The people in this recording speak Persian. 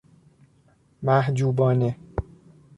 محجوبانه